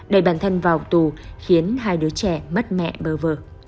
đẩy bản thân vào tù khiến hai đứa trẻ mất mẹ bơ vờ